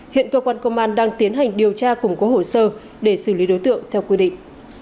hiện cơ quan công an đang tiến hành điều tra củng cố hồ sơ để xử lý đối tượng theo quy định